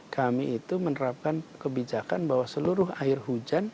kami itu menerapkan kebijakan bahwa seluruh air hujan